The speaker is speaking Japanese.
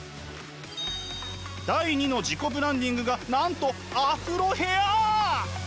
第２の自己ブランディングがなんとアフロヘアー！